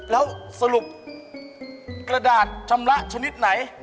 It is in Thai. แล้วสรุปกระดาษชำระชนิดไหน